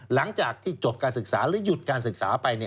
หลังจากที่จบการศึกษาหรือหยุดการศึกษาไป